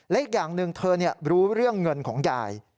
และอีกอย่างหนึ่งเธอรู้เรื่องเงินของยาย